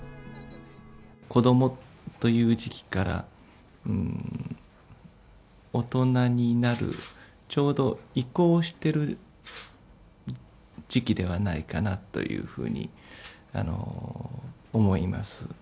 子どもという時期から大人になる、ちょうど移行してる時期ではないかなというふうに思います。